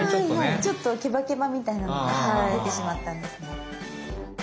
ちょっとケバケバみたいなのが出てしまったんですね。